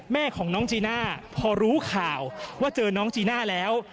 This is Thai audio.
แม่ของน้องจีน่าพอรู้ข่าวว่าเจอน้องจีน่าแล้ว